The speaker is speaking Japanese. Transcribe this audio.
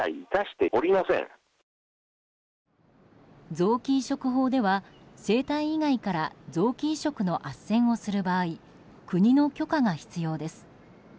臓器移植法では生体以外から臓器移植のあっせんをする場合国の許可が必要です。